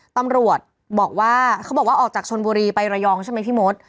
ตำรวจบอกว่าเขาบอกว่าออกจากชนบุรีไประยองใช่ไหมพี่มด